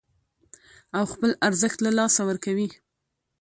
او خپل ارزښت له لاسه ورکوي